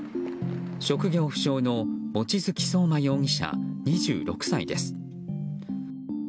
職業不詳の望月壮真容疑者２６歳です。